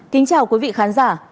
kính chào quý vị khán giả